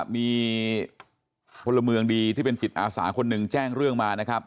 มีพลเมืองดีที่เป็นจิตอาสาคนหนึ่งแจ้งเรื่องมานะครับ